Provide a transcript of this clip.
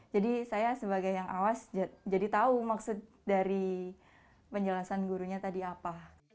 jadi saya sebagai yang awas jadi tahu maksud dari penjelasan gurunya tadi apa